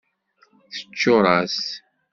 Teččuṛ-as.